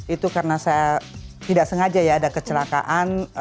itu karena saya tidak sengaja ya ada kecelakaan